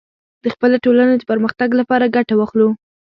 د خپلې ټولنې د پرمختګ لپاره ګټه واخلو